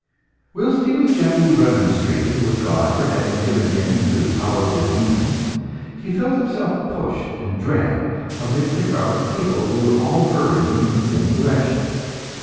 Whilst he was gently remonstrating with God for having given him into the power of the demons, he felt himself pushed and dragged amidst a crowd of people who were all hurrying in the same direction.